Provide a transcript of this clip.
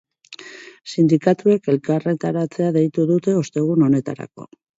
Sindikatuek elkarretaratzea deitu dute ostegun honetarako.